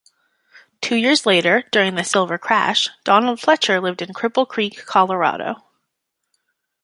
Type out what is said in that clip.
Two years later, during the Silver Crash, Donald Fletcher lived in Cripple Creek, Colorado.